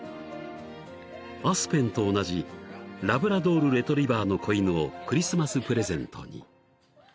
［アスペンと同じラブラドールレトリバーの子犬をクリスマスプレゼントに］